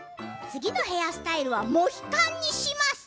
次のヘアスタイルはモヒカンにします。